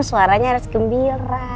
suaranya harus gembira